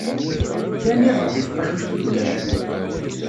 Kkan iḍ deg tqacuct n udrar.